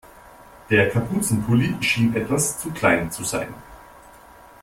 Der Kapuzenpulli schien etwas zu klein zu sein.